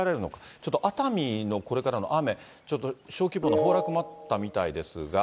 ちょっと熱海のこれからの雨、ちょっと小規模な崩落もあったようですが。